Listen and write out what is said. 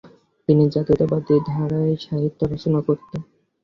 তিনি জাতীয়তাবাদী ধারায় সাহিত্য রচনা করতেন।